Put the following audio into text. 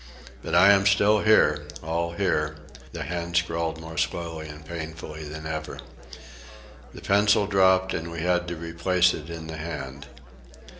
"But I am still here, all here," the hand scrawled more slowly and painfully than ever. The pencil dropped, and we had to replace it in the hand.